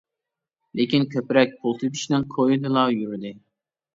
لېكىن كۆپرەك پۇل تېپىشنىڭ كويىدىلا يۈردى.